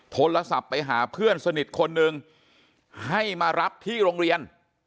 โทรศัพท์ไปหาเพื่อนสนิทคนนึงให้มารับที่โรงเรียน